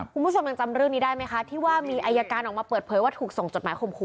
คุณผู้ชมยังจำเรื่องนี้ได้ไหมคะที่ว่ามีอายการออกมาเปิดเผยว่าถูกส่งจดหมายข่มขู่